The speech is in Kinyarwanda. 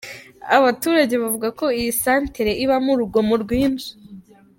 Abaturage bavuga ko iyi santere ibamo urugomo rwinshi.